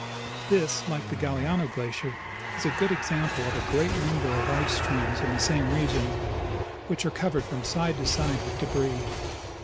This, like the Galiano glacier, is a good example of a great number of ice streams in the same region which are covered from side to side with debris.